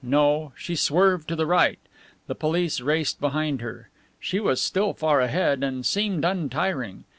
No, she swerved to the right. The police raced behind her. She was still far ahead, and seemed untiring.